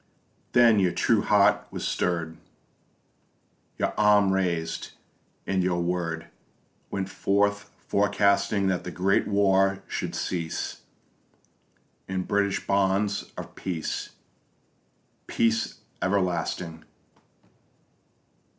Then your true heart was stirr'd, Your arm raised, and your word Went forth, forecasting That the great war should cease In British bonds of peace, Peace everlasting.